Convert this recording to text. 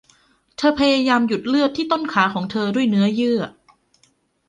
เธอพยายามหยุดเลือดที่ต้นขาของเธอด้วยเนื้อเยื่อ